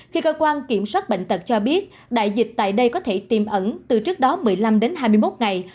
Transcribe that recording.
khi cơ quan kiểm soát bệnh tật cho biết đại dịch tại đây có thể tiềm ẩn từ trước đó một mươi năm đến hai mươi một ngày